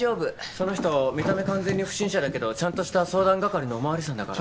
その人見た目完全に不審者だけどちゃんとした相談係のお巡りさんだから。